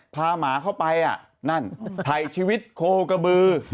หมาเข้าไปนั่นถ่ายชีวิตโคกระบือ